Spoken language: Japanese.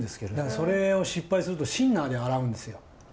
それを失敗するとシンナーで洗うんですよ。